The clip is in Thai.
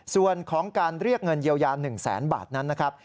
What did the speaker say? ส่วนของการเรียกเงินเยียวยา๑แสนบาทนั้นนะครับ